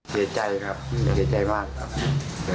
ไม่เจ๋ยใจมากครับ